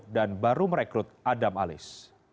dan baru merekrut adam alis